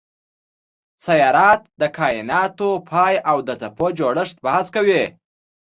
سیارات د کایناتو پای او د څپو جوړښت بحث کوي.